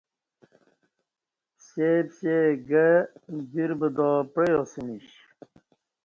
پسے پسے گہ دیر بدا پعیاسمیش